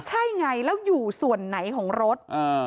ใช่ไงแล้วอยู่ส่วนไหนของรถ